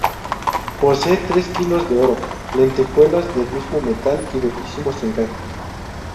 Posee tres kilos de oro, lentejuelas del mismo metal y bellísimos encajes.